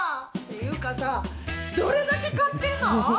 っていうかさ、どれだけ買ってんの？